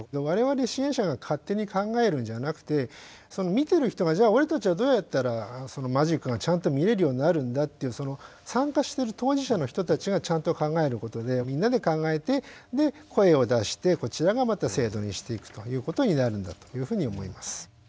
我々支援者が勝手に考えるんじゃなくてその見てる人がじゃあ俺たちはどうやったらそのマジックがちゃんと見れるようになるんだというその参加してる当事者の人たちがちゃんと考えることでみんなで考えて声を出してこちらがまた制度にしていくということになるんだというふうに思います。